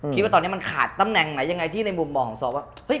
คิดว่าตอนนี้มันขาดตำแหน่งไหนยังไงที่ในมุมมองของซอสว่า